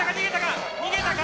逃げたか。